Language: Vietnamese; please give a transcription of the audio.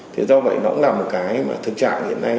thế do vậy nó cũng là một cái mà thực trạng hiện nay